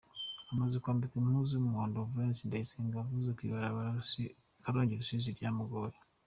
Amaze kwambikwa impuzu y'umuhondo Valence Ndayisenga yavuze kw'ibarabara Karongi-Rusizi ryamugoye cane.